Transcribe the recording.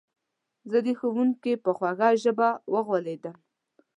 زه د ښوونکي په خوږه ژبه وغولېدم